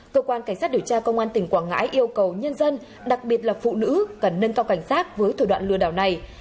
cơ quan cảnh sát điều tra công an tỉnh quảng ngãi yêu cầu nhân dân đặc biệt là phụ nữ cần nâng cao cảnh sát với thủ đoạn lừa đảo này